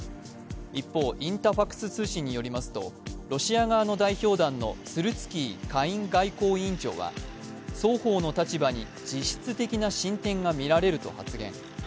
一方、インタファクス通信によりますと、ロシア側の代表団のスルツキー下院外交委員長は双方の立場に実質的な進展が見られると発言。